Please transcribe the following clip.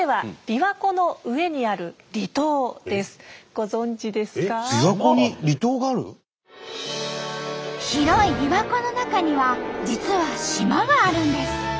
びわ湖に広いびわ湖の中には実は島があるんです。